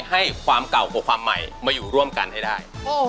ให้ความเก่ากว่าความใหม่มาอยู่ร่วมกันให้ได้